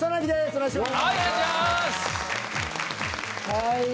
はい。